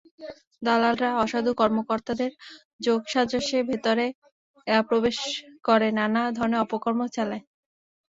দালালরা অসাধু কর্মকর্তাদের যোগসাজশে ভেতরে প্রবেশ করে নানা ধরনের অপকর্ম চালায়।